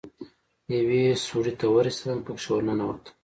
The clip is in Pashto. يوې سوړې ته ورسېدم پکښې ورننوتم.